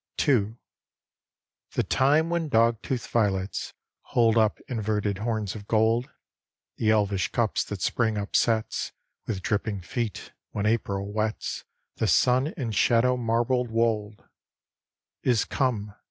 II. The time when dog tooth violets Hold up inverted horns of gold, The elvish cups that Spring upsets With dripping feet, when April wets The sun and shadow marbled wold, Is come.